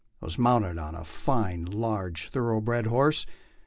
I was mounted on a fine large thoroughbred horse.